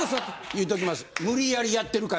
言っときます。